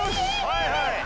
はいはい。